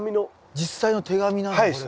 実際の手紙なんだこれが。